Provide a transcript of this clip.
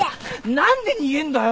何で逃げんだよ。